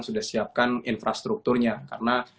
sudah siapkan infrastrukturnya karena